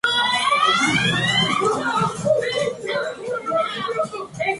Es protagonista de multitud de pinturas, piezas de cerámica y estatuas.